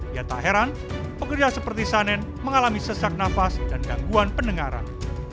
ia tak heran pekerja seperti sanen mengalami sesak nafas dan gangguan pendengaran